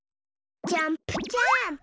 ジャンプジャーンプ。